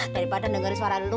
daripada dengerin suara lo